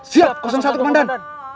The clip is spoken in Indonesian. siap kosong satu komandan